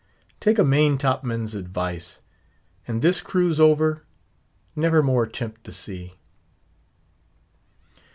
take a main top man's advice; and this cruise over, never more tempt the sea.